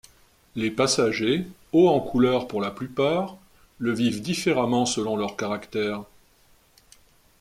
Les passagers, hauts en couleur pour la plupart, le vivent différemment selon leur caractère.